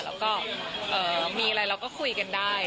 แล้วก็มีอะไรเราก็คุยกันได้